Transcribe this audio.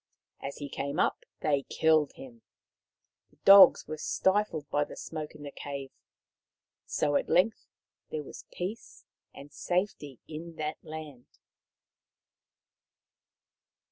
As he came up they killed him. The dogs were stifled by the smoke in the cave. So at length there was peace and safety in that land.